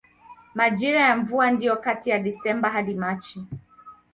Majira ya mvua ndiyo kati ya Desemba hadi Machi.